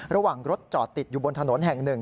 ระหว่างรถจอดติดอยู่บนถนนแห่งหนึ่ง